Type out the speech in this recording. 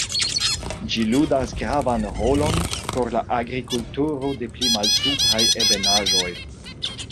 Ĝi ludas gravan rolon por la agrikulturo de pli malsupraj ebenaĵoj.